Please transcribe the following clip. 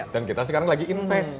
dan kita sekarang lagi invest